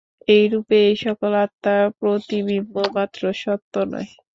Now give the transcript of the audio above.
এইরূপে এই সকল আত্মা প্রতিবিম্ব মাত্র, সত্য নয়।